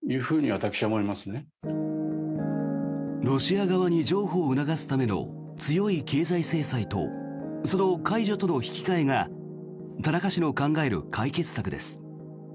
ロシア側に譲歩を促すための強い経済制裁とその解除との引き換えが田中氏の考える解決策です。